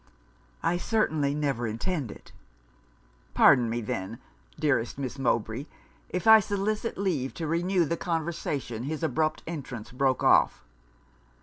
'I certainly never intend it.' 'Pardon me then, dearest Miss Mowbray, if I solicit leave to renew the conversation his abrupt entrance broke off.